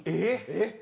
えっ！